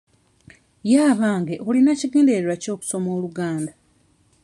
Ye abange olina kigendererwa ki okusoma Oluganda?